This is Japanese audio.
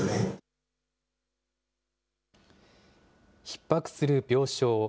ひっ迫する病床。